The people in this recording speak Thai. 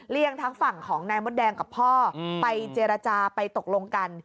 เรียกทั้งฝั่งของนายมดแดงกับพ่อไปเจรจาไปตกลงกัน